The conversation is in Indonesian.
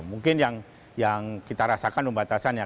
mungkin yang kita rasakan pembatasannya